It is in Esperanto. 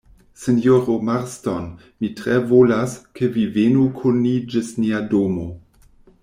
Sinjoro Marston, mi tre volas, ke vi venu kun ni ĝis nia domo.